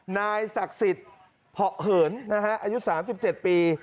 นายศักดิ์ศิษย์เผาะเหินนะฮะอายุสามสิบเจ็ดปี